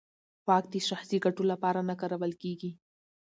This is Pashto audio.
واک د شخصي ګټو لپاره نه کارول کېږي.